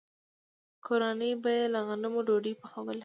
کورنۍ به یې له غنمو ډوډۍ پخوله.